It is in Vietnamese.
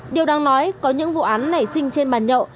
điều đang nói có những vụ án nảy sinh trên bàn nhậu